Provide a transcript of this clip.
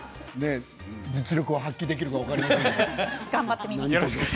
実力が発揮できるかどうか分かりませんけど。